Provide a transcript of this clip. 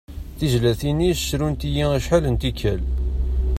Tizlatin-is srunt-iyi acḥal n tikal.